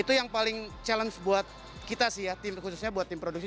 itu yang paling challenge buat kita sih ya tim khususnya buat tim produksi